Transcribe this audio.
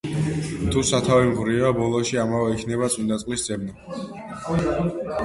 „თუ სათავე მღვრიეა, ბოლოში ამაო იქნება წმინდა წყლის ძებნა.“